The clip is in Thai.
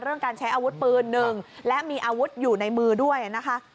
การใช้อาวุธปืนหนึ่งและมีอาวุธอยู่ในมือด้วยนะคะ